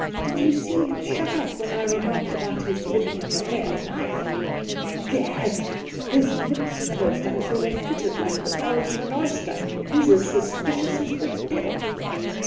Did you see him shut up when I remarked about his living a queer life ? Gad! his lips closed up until they fitted like the valves of an oyster. He's as suspicious as the devil!'